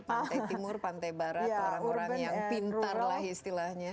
pantai timur pantai barat orang orang yang pintar lah istilahnya